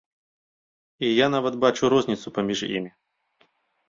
І я нават бачу розніцу паміж імі.